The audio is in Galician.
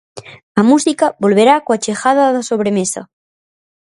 A música volverá coa chegada da sobremesa.